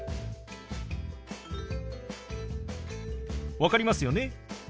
分かりますよね？